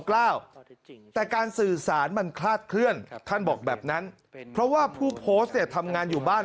แต่การสื่อสารมันคลาดเคลื่อนท่านบอกแบบนั้นเพราะว่าผู้โพสต์เนี่ยทำงานอยู่บ้าน